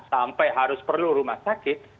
sampai harus perlu rumah sakit